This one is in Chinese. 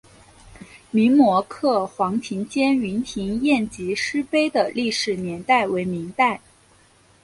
明摹刻黄庭坚云亭宴集诗碑的历史年代为明代。